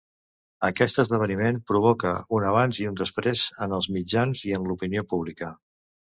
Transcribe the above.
Aquest esdeveniment provoca un abans i un després en els mitjans i en l'opinió pública.